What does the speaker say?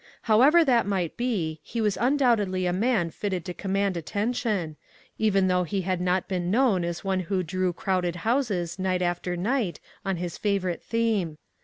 However that might be, he was un doubtedly a man fitted to command atten tion, even though he had not been known as one who drew crowded houses night after 66 ONE COMMONPLACE DAY. night on his favorite theme.